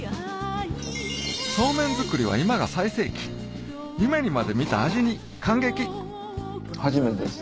そうめん作りは今が最盛期夢にまで見た味に感激初めてですよ